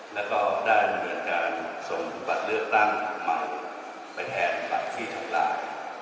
แล้วก็ได้บริเวณการส่งบัตรเลือกตั้งยังไม่ไปแทนบัตรที่ทำราย